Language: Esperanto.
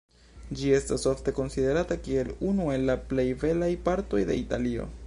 Ĝi estas ofte konsiderata kiel unu el la plej belaj partoj de Italio.